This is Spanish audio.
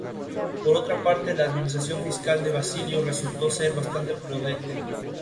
Por otra parte, la administración fiscal de Basilio resultó ser bastante prudente.